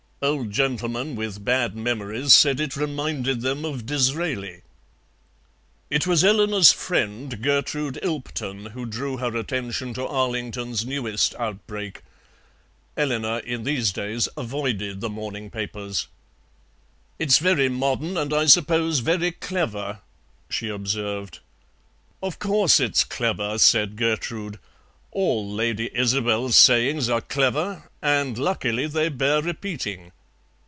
Old gentlemen with bad memories said it reminded them of Disraeli. It was Eleanor's friend, Gertrude Ilpton, who drew her attention to Arlington's newest outbreak. Eleanor in these days avoided the morning papers. "It's very modern, and I suppose very clever," she observed. "Of course it's clever," said Gertrude; "all Lady Isobel's sayings are clever, and luckily they bear repeating."